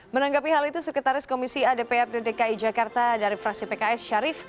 menanggapi hal itu sekretaris komisi adpr dki jakarta dari fraksi pks syarif